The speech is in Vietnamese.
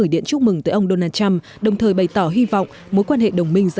để phản đối ông donald trump